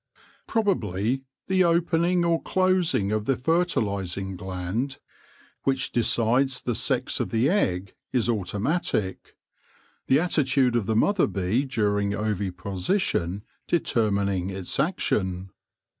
Prob ably the opening or closing of the fertilising gland, which decides the sex of the egg, is automatic, the attitude of the mother bee during oviposition deter mining its action.